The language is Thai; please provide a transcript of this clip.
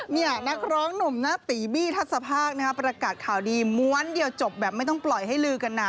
นี่นักร้องหนุ่มหน้าตีบี้ทัศภาคประกาศข่าวดีม้วนเดียวจบแบบไม่ต้องปล่อยให้ลือกันนะ